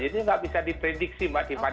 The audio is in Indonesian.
jadi tidak bisa diprediksi mbak tifa